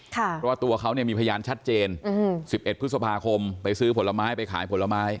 เพราะว่าตัวเขาเนี่ยมีพยานชัดเจน๑๑พฤษภาคมไปซื้อผลไม้ไปขายผลไม้